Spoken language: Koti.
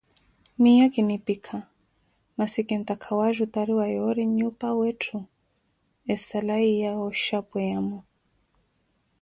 Miiyo kiniipikha masi kintakha wajutariwa yoori nyuupa weettho esala yiiya yooxhapweya.